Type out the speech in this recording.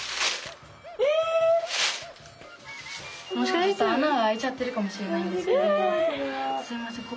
もしかしたら穴が開いちゃってるかもしれないんですけどもすみません